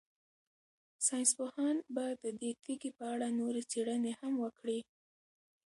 ساینس پوهان به د دې تیږې په اړه نورې څېړنې هم وکړي.